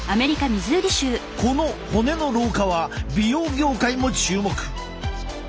この骨の老化は美容業界も注目。